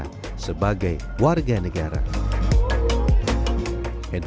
hidup manusia adalah hak kita